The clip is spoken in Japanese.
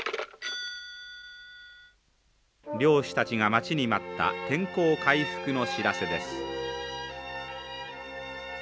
漁師たちが待ちに待った天候回復の知らせです。